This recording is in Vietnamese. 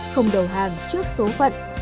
không đầu hàng trước số phận